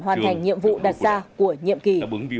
hoàn thành nhiệm vụ đặt ra của nhiệm kỳ